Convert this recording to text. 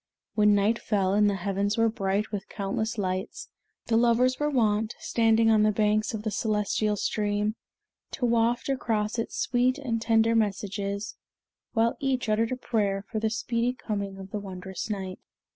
When night fell and the heavens were bright with countless lights, the lovers were wont, standing on the banks of the celestial stream, to waft across it sweet and tender messages, while each uttered a prayer for the speedy coming of the wondrous night.